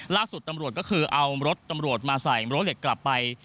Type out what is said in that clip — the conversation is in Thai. ล่าสุดตำรวจก็คือเอารถตำรวจมาใส่รั้วเหล็กกลับไป